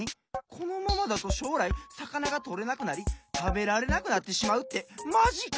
このままだとしょうらいさかながとれなくなりたべられなくなってしまうってマジか！